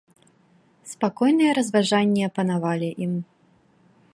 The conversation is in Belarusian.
Спакойныя разважанні апанавалі ім.